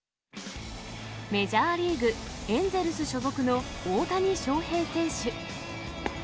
メジャーリーグ・エンゼルス所属の大谷翔平選手。